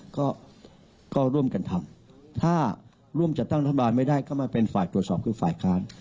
ก็ร่วมกันทำถ้าร่วมจัดตั้งรัฐบาลไม่ได้ก็มาเป็นฝ่ายตรวจสอบคือฝ่ายค้าน